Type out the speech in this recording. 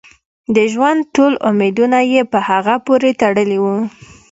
د ژوند ټول امیدونه یې په هغه پورې تړلي وو.